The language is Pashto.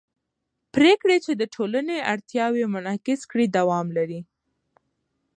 پرېکړې چې د ټولنې اړتیاوې منعکس کړي دوام لري